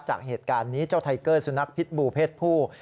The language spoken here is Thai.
จากเหตุการณ์นี้เจ้าไทเกอร์สุนัขพิษบูเพศผู้